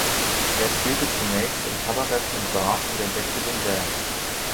Er spielte zunächst in Kabaretts und Bars und entdeckte den Jazz.